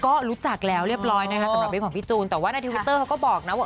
ก็รู้จักแล้วเรียบร้อยนะคะสำหรับเรื่องของพี่จูนแต่ว่าในทวิตเตอร์เขาก็บอกนะว่า